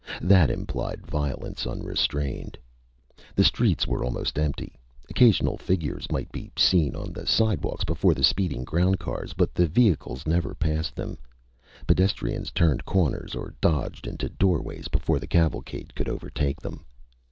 That implied violence unrestrained. The streets were almost empty. Occasional figures might be seen on the sidewalks before the speeding ground cars, but the vehicles never passed them. Pedestrians turned corners or dodged into doorways before the cavalcade could overtake them.